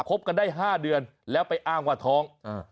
บกันได้๕เดือนแล้วไปอ้างว่าท้อง